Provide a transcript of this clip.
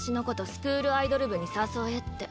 スクールアイドル部に誘えって。